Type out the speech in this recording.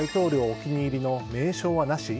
お気に入りの名称はなし？